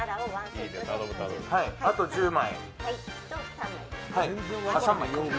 あと１０枚。